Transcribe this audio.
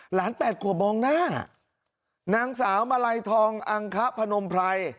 แปดขวบมองหน้านางสาวมาลัยทองอังคพนมไพร